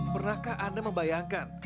pernahkah anda membayangkan